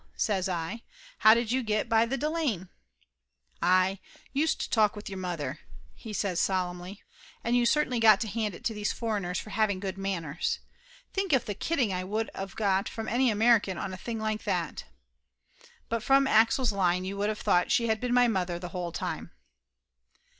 says I. "How did you get by the Delane?" "Ay youst talk with your mother," he says sol emnly. And you certainly got to hand it to these foreigners for having good manners. Think of the kidding I would of got from any American on a thing like that ! But from Axel's line you would of thought she had been my mother the whole time.